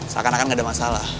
seakan akan nggak ada masalah